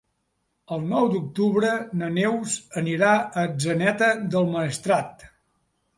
El nou d'octubre na Neus anirà a Atzeneta del Maestrat.